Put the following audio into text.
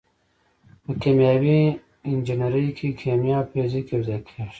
په کیمیاوي انجنیری کې کیمیا او فزیک یوځای کیږي.